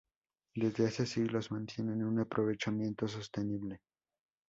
Desde hace siglos mantienen un aprovechamiento sostenible.